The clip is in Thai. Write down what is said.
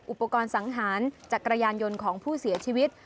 อุปกรณ์สังหารจักรยานยนต์ของผู้เสียชีวิต